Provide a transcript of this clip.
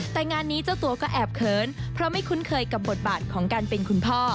แต่งานนี้เจ้าตัวก็แอบเขินเพราะไม่คุ้นเคยกับบทบาทของการเป็นคุณพ่อ